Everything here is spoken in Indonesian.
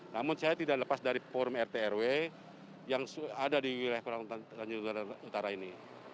namun saya tidak lepas dari forum rt rw yang ada di wilayah kurang tanjung utara ini